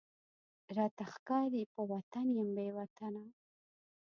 راته ښکاری په وطن یم بې وطنه،